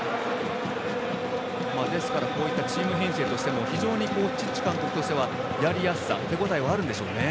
こういったチーム編成としてもチッチ監督としてはやりやすさ、手応えがあるんでしょうね。